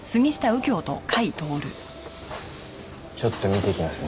ちょっと見てきますね。